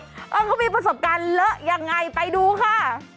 เขามีประสบการณ์เลอะยังไงไปดูค่ะ